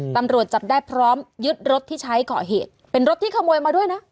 ตำรวจจับได้พร้อมยึดรถที่ใช้ก่อเหตุเป็นรถที่ขโมยมาด้วยนะ